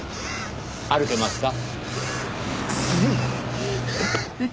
歩けますか？